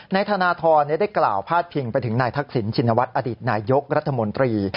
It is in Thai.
นายธนทรได้กล่าวพาดพิงไปถึงนายทักษิณชินวัฒน์อดีตนายกรัฐมนตรี